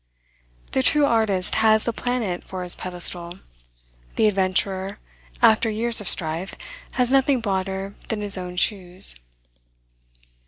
The true artist has the planet for his pedestal; the adventurer, after years of strife, has nothing broader than his own shoes.